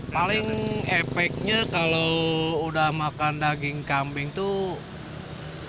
paling efeknya kalau udah makan daging kambing tuh